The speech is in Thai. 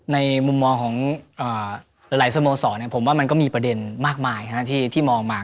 ในมุมมองของหลายสโมสรผมว่ามันก็มีประเด็นมากมายที่มองมา